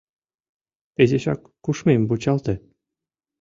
«Изишак кушмем вучалте».